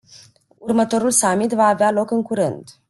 Următorul summit va avea loc în curând.